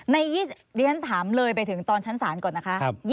ดิฉันถามเลยไปถึงตอนชั้นศาลก่อนนะคะ